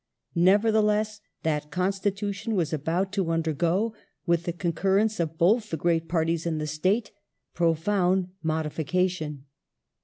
Nevertheless, that Constitution was about to undergo, with the concurrence of both the great Parties in the State, profound modification.